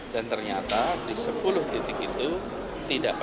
dan ternyata di sepuluh titik itu tidak percaya